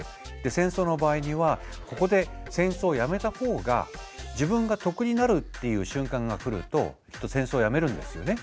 戦争の場合にはここで戦争をやめた方が自分が得になるっていう瞬間が来るときっと戦争をやめるんですよね。